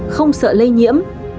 không sợ lây nhiễm